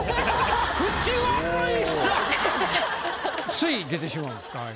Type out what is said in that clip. つい出てしまうんですか？